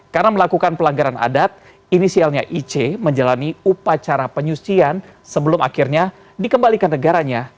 karena melakukan pelanggaran adat inisialnya ic menjalani upacara penyusian sebelum akhirnya dikembalikan negaranya